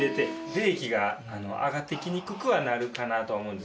冷気が上がってきにくくはなるかなと思うんですけど。